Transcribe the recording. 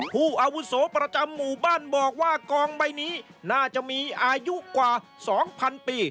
อาวุโสประจำหมู่บ้านบอกว่ากองใบนี้น่าจะมีอายุกว่า๒๐๐๐ปี